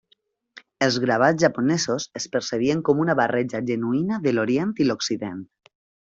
Els gravats japonesos es percebien com a una barreja genuïna de l'orient i l'occident.